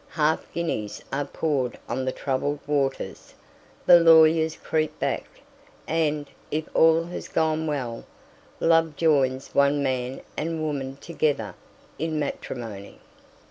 Half guineas are poured on the troubled waters, the lawyers creep back, and, if all has gone well, Love joins one man and woman together in Matrimony.